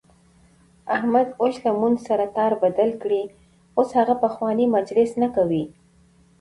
احمد اوس له موږ سره تار بدل کړی، اوس هغه پخوانی مجلس نه کوي.